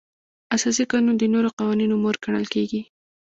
اساسي قانون د نورو قوانینو مور ګڼل کیږي.